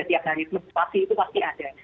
setiap hari pasti itu pasti ada